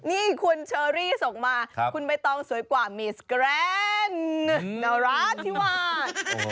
นี่คุณเชอรี่ส่งมาคุณใบตองสวยกว่ามีสแกรนด์นราธิวาส